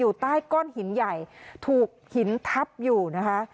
ใต้ก้อนหินใหญ่ถูกหินทับอยู่นะคะ